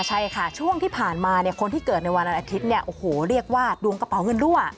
ใช่ค่ะช่วงที่ผ่านมาคนที่เกิดในวันอาทิตย์เรียกว่าดวงกระเป๋าเงินรั่ว